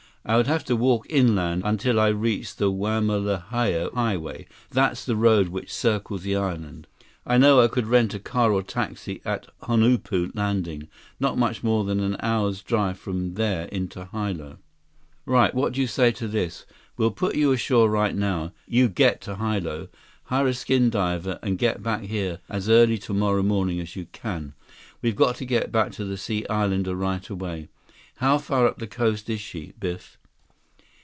I would have to walk inland until I reached the Wamalahoa Highway—that's the road which circles the island. I know I could rent a car or taxi at Honupo Landing. Not much more than an hour's drive from there into Hilo." "Right. What do you say to this? We'll put you ashore right now. You get to Hilo. Hire a skin diver and get back here as early tomorrow morning as you can. We've got to get back to the Sea Islander right away. How far up the coast is she, Biff?"